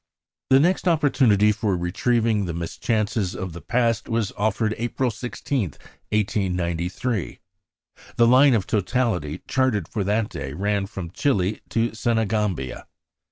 The next opportunity for retrieving the mischances of the past was offered April 16, 1893. The line of totality charted for that day ran from Chili to Senegambia.